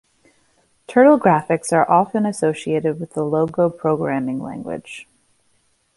Turtle graphics are often associated with the Logo programming language.